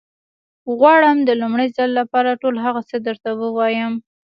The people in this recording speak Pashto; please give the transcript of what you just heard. غواړم د لومړي ځل لپاره ټول هغه څه درته ووايم.